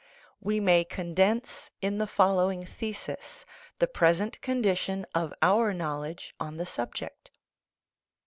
We may condense in the following thesis the present condition of our knowledge on the subject : I.